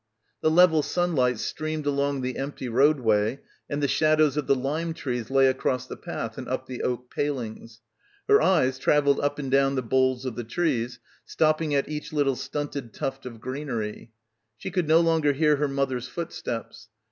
The level sunlight streamed along the empty roadway and the shadows of the lime trees lay across the path and up the oak palings. Her eyes travelled — 28 — BACKWATER up and down the boles of the trees, stopping at each little stunted tuft of greenery. She could no longer hear her mother's footsteps.